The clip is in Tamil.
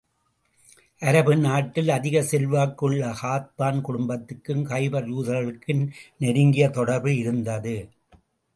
அரபு நாட்டில் அதிக செல்வாக்குள்ள கத்பான் குடும்பத்துக்கும், கைபர் யூதர்களுக்கும் நெருங்கிய தொடர்பு இருந்தது.